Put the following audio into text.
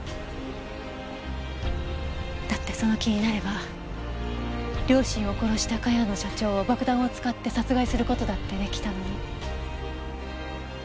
だってその気になれば両親を殺した茅野社長を爆弾を使って殺害する事だって出来たのに。